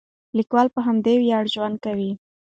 لیکوال په همدې ویاړ ژوند کوي.